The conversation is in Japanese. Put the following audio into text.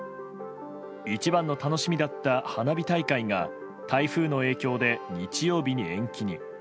一番の楽しみだった花火大会が台風の影響で日曜日に延期に。